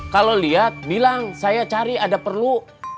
kalau lihat bilang saya cari ada perlu